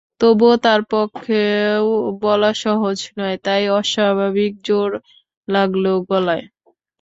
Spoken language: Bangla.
তবু তার পক্ষেও বলা সহজ নয়, তাই অস্বাভাবিক জোর লাগল গলায়।